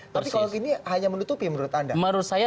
tapi kalau ini hanya menutupi menurut anda